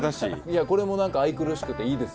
いやこれも何か愛くるしくていいですよ。